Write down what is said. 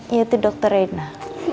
yaitu dokter rena